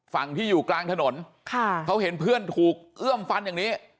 ฝั่งที่อยู่กลางถนนค่ะเขาเห็นเพื่อนถูกเอื้อมฟันอย่างนี้